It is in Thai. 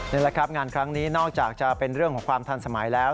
นี่แหละครับงานครั้งนี้นอกจากจะเป็นเรื่องของความทันสมัยแล้ว